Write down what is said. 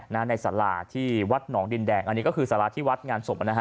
ในสาราที่วัดหนองดินแดงอันนี้ก็คือสาราที่วัดงานศพนะฮะ